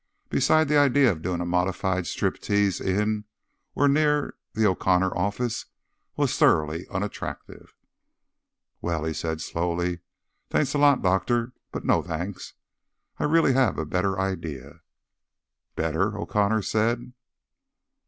Besides, the idea of doing a modified striptease in, or near, the O'Connor office was thoroughly unattractive. "Well," he said slowly, "thanks a lot, Doctor, but no thanks. I really have a better idea." "Better?" O'Connor said.